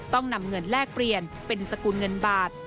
ต้องนำเงินแลกเปลี่ยนเป็นสกุลเงินบาท